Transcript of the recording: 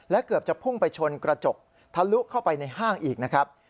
และเกือบจะพุ่งไปชนกระจกทะลุเข้าไปในห้างอีกนะครับ